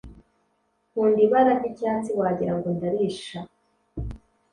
Nkunda ibara ryicyatsi wagira ngo ndarisha